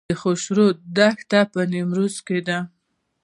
د خاشرود دښتې په نیمروز کې دي